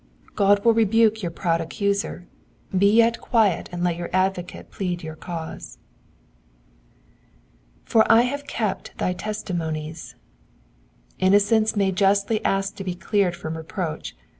53 God will rebuke your proud accuser ; be ye quiet and let your advocate plead your cause. ^^For I have kept thy testimonies.'*'^ Innocence may justly ask to be cleared from reproach.